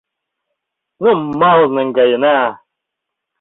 — Нумал наҥгаена...